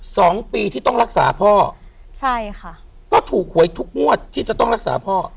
สองปีที่ต้องรักษาพ่อใช่ค่ะก็ถูกหวยทุกงวดที่จะต้องรักษาพ่อ